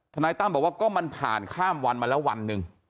นายตั้มบอกว่าก็มันผ่านข้ามวันมาแล้ววันหนึ่ง